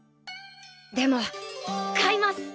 でも買います！